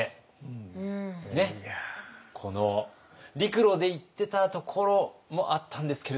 陸路で行ってたところもあったんですけれども